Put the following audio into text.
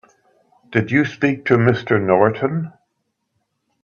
Did you speak to Mr. Norton?